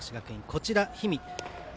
こちら氷見。